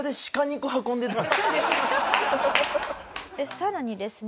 さらにですね